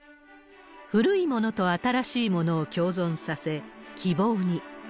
古いものと新しいものを共存させ、希望に。